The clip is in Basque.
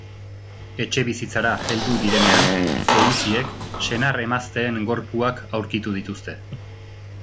Etxebizitzara heldu direnean, poliziek senar-emazteen gorpuak aurkitu dituzte.